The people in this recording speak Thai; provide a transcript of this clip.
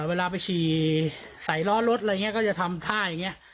เวลาไปฉี่ใส่ล้อรถอะไรอย่างนี้ก็จะทำท่าอย่างนี้